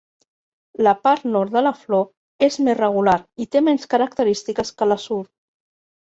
La part nord de la flor és més regular i té menys característiques que la sud.